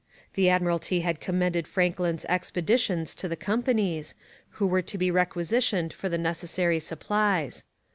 The Admiralty had commended Franklin's expeditions to the companies, who were to be requisitioned for the necessary supplies.